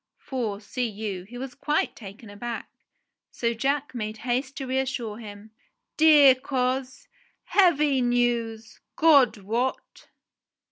For, see you, he was quite taken aback ; so Jack made haste to reassure him. "Dear coz, heavy news, God wot